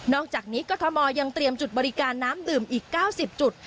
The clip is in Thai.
อกจากนี้กรทมยังเตรียมจุดบริการน้ำดื่มอีก๙๐จุด